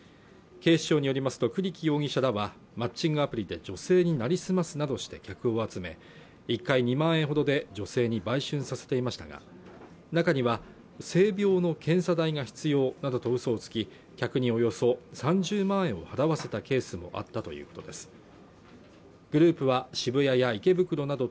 警視庁によりますと栗城容疑者らはマッチングアプリで女性になりすますなどして客を集め１回２万円ほどで女性に売春させていましたが中には性病の検査代が必要などと嘘をつき客におよそ３０万円を払わせたケースもあったということです